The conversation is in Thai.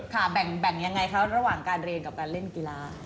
แบ่งยังไงคะระหว่างการเรียนกับการเล่นกีฬา